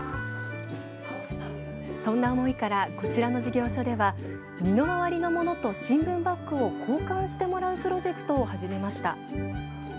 そんな思いからこちらの事業所では身の回りのものと新聞バッグを交換してもらうプロジェクトを始めました。